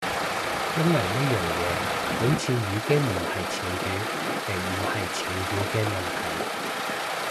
因為呢樣嘢好似已經唔係潮語定唔係潮語嘅問題